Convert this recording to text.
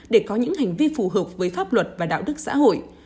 để có những hành vi phù hợp với pháp luật và đạo đức xã hội